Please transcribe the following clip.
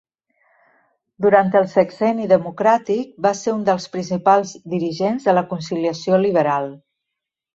Durant el Sexenni Democràtic va ser un dels principals dirigents de la Conciliació Liberal.